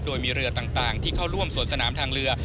โดยมีเรือต่างที่เข้าร่วมสวนสนามทางเรือ